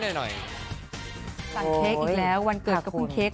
สั่งเค้กอีกแล้ววันเกิดก็เพิ่งเค้ก